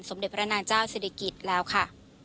สมเด็จพระนางเจ้าศิริกิจแล้วค่ะ